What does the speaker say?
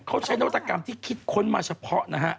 เขาใช้นวัตกรรมที่คิดค้นมาเฉพาะนะฮะ